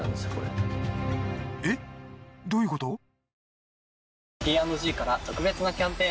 えっどういうこと？